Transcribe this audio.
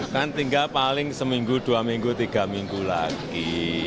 kan tinggal paling seminggu dua minggu tiga minggu lagi